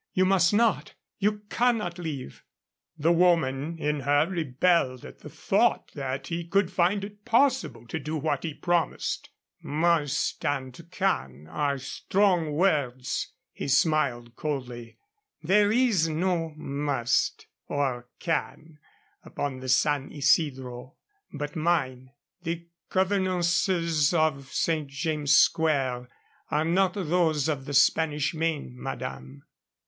"You must not. You cannot leave " The woman in her rebelled at the thought that he could find it possible to do what he promised. "Must and can are strong words." He smiled coldly. "There is no must or can upon the San Isidro but mine. The convenances of St. James's Square are not those of the Spanish Main, madame."